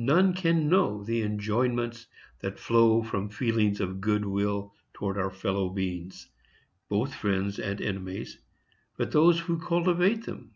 None can know the enjoyments that flow from feelings of good will towards our fellow beings, both friends and enemies, but those who cultivate them.